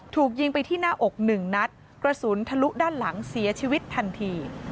ถูกยิงไปที่หน้าอกหนึ่งนัดกระสุนทะลุด้านหลังเสียชีวิตทันที